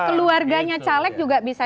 keluarganya caleg juga bisa